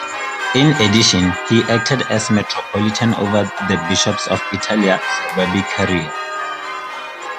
In addition he acted as metropolitan over the bishops of Italia Suburbicaria.